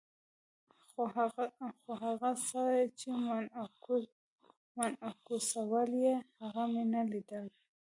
خو هغه څه چې منعکسول یې، هغه مې نه لیدل.